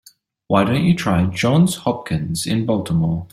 Why don't you try Johns Hopkins in Baltimore?